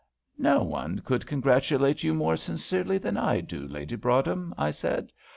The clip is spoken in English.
"No one could congratulate you more sincerely than I do, Lady Broadhem," I said.